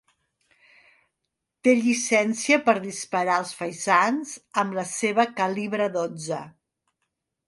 Té llicència per disparar als faisans amb la seva calibre dotze